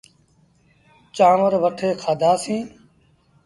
چآنور وٺي کآڌآسيٚݩ۔